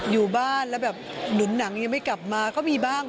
อยู่บ้านแล้วแบบหนุนหนังยังไม่กลับมาก็มีบ้าง